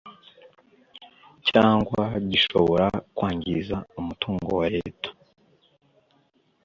cyangwa gishobora kwangiza umutungo wa Leta